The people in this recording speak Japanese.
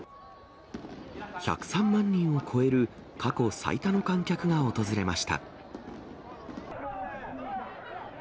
１０３万人を超える過去最多の観客が訪れました。